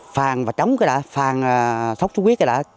phàn và chống cái đã phàn sốt xuất huyết cái đã